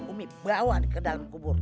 umit bawa ke dalam kubur